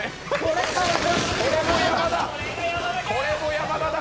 これも山田だ。